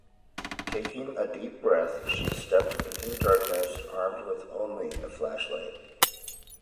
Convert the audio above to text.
Taking a deep breath, she stepped into the darkness, armed with only a flashlight.